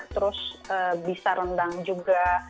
terus bisa rendang juga